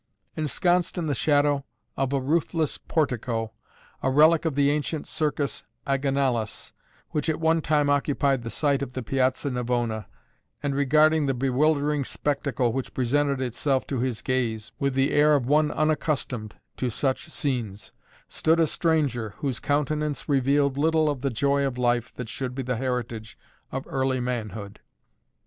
Ensconced in the shadow of a roofless portico, a relic of the ancient Circus Agonalis, which at one time occupied the site of the Piazza Navona, and regarding the bewildering spectacle which presented itself to his gaze, with the air of one unaccustomed to such scenes, stood a stranger whose countenance revealed little of the joy of life that should be the heritage of early manhood.